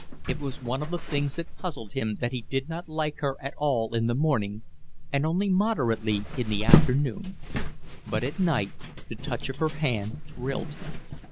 It was one of the things that puzzled him that he did not like her at all in the morning, and only moderately in the afternoon, but at night the touch of her hand thrilled him.